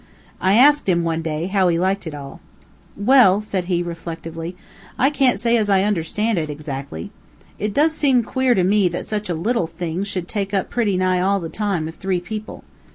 I asked him, one day, how he liked it all? "Well," said he, reflectively, "I can't say as I understand it, exactly. It does seem queer to me that such a little thing should take up pretty nigh all the time of three people.